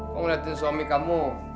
kau ngeliatin suami kamu